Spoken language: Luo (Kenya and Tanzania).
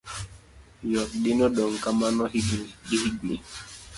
yuak gi nodong' kamano higni gihigni